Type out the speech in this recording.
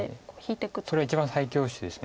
それは一番最強手です。